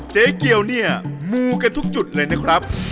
เจ๊เกียวเนี่ยมูกันทุกจุดเลยนะครับ